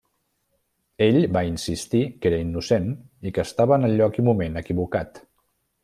Ell va insistir que era innocent i que estava en el lloc i moment equivocat.